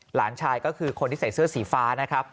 หลานชายก็คือคนที่ใส่เสื้อสีฟ้านะครับ